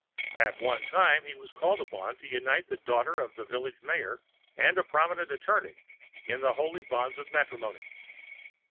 At one time he was called upon to unite the daughter of the village mayor and a prominent attorney in the holy bonds of matrimony.